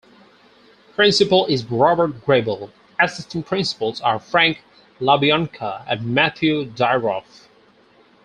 Principal is Robert Grable; assistant principals are Frank LaBianca and Matthew Dyroff.